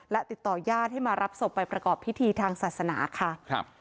และติดต่อญาติให้มารับศพไปประกอบพิธีทางศาสนาค่ะครับ